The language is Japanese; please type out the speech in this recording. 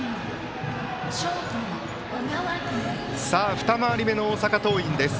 二回り目の大阪桐蔭です。